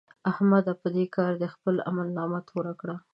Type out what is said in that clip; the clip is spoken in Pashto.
احمده! په دې کار دې خپله عملنامه توره کړه.